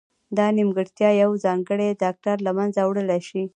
دا نیمګړتیا یو ځانګړی ډاکټر له منځه وړلای شي.